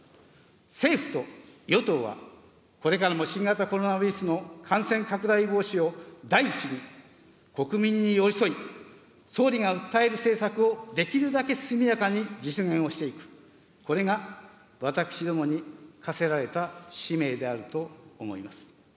政府と与党はこれからも新型コロナウイルスの感染拡大防止を第一に国民に寄り添い、総理が訴える政策をできるだけ速やかに実現をしていく、これが私どもに課せられた使命であると思います。